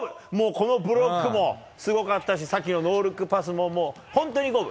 このブロックもすごかったしさっきのノールックパスも本当に五分。